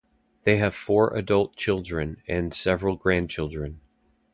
They have four adult children and several grandchildren.